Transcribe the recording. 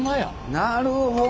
なるほど！